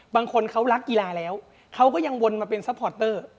บางคนเขารักกีฬาแล้วเขาก็ยังวนมาเป็นซัพพอร์ตเตอร์